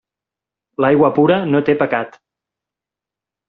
L'aigua pura no té pecat.